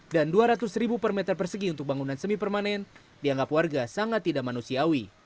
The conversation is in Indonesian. dan dua ratus ribu per meter persegi untuk bangunan semi permanen dianggap warga sangat tidak manusiawi